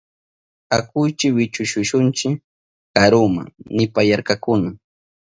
Akuychi wichushunchi karuma, nipayarkakuna.